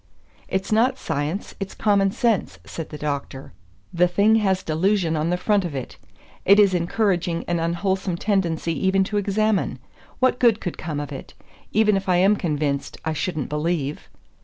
"It's not science, it's common sense," said the Doctor. "The thing has delusion on the front of it. It is encouraging an unwholesome tendency even to examine. What good could come of it? Even if I am convinced, I shouldn't believe."